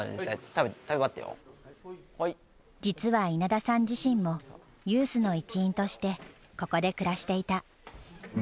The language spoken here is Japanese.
実は稲田さん自身もユースの一員としてここで暮らしていた。